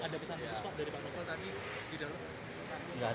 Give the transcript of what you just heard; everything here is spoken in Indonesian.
ada pesan khusus pak dari pak novel tadi di dalam